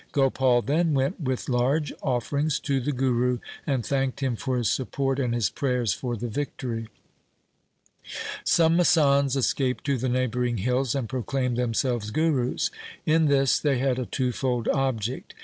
Gopal then went with large offerings to the Guru and thanked him for his support and his prayers for the victory. Some masands escaped to the neighbouring hills LIFE OF GURU GOBIND SINGH 59 and proclaimed themselves gurus. In this they had a twofold object.